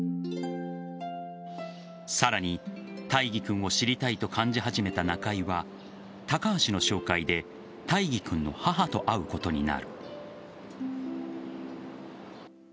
さらに大義君を知りたいと感じ始めた中井は高橋の紹介で大義君の母と会うことになる。